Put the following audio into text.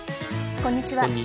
こんにちは。